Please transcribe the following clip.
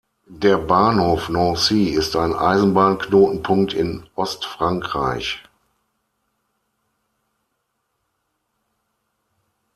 Der Bahnhof Nancy ist ein Eisenbahnknotenpunkt in Ostfrankreich.